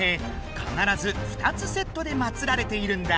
かならず２つセットでまつられているんだ。